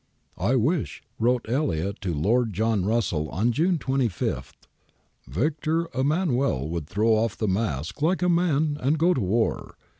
' I wish,' wrote P211iot to Lord John Russell on June 25, 'Victor Emmanuel would throw off the mask like a man and go to war.